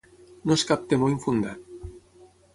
No és cap temor infundat.